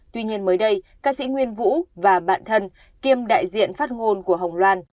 tuy nhiên mới đây ca sĩ nguyên vũ và bạn thân kiêm đại diện phát ngôn của hồng loan